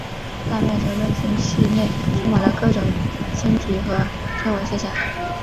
大麦哲伦星系内充满了各种星体和天文现象。